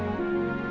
aku mau ke tempatnya